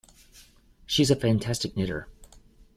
She's a fantastic knitter.